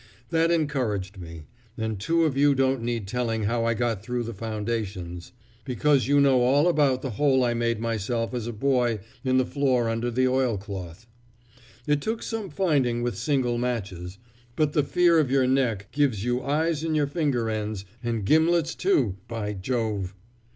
That encouraged me; and two of you don't need telling how I got out through the foundations, because you know all about the hole I made myself as a boy in the floor under the oilcloth. It took some finding with single matches; but the fear of your neck gives you eyes in your finger ends, and gimlets, too, by Jove!